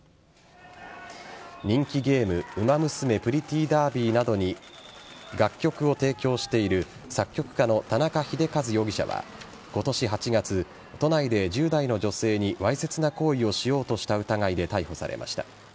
人気ゲーム「ウマ娘プリティーダービー」などに楽曲を提供している作曲家の田中秀和容疑者は今年８月都内で１０代の女性にわいせつな行為をしようとした疑いで逮捕されました。